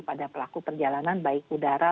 pada pelaku perjalanan baik udara